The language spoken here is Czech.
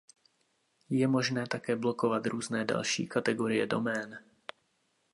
Je možné také blokovat různé další kategorie domén.